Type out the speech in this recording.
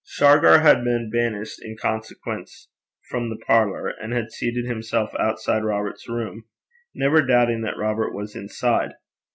Shargar had been banished in consequence from the parlour, and had seated himself outside Robert's room, never doubting that Robert was inside.